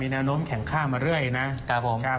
มีอนมแข็งค่ามาเรื่อยนะครับ